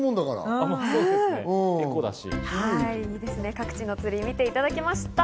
各地のツリーを見ていただきました。